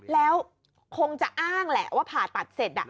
แล้วคงจะอ้างแหละว่าผ่าตัดเสร็จ